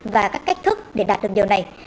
và các cách thức để đạt được điều này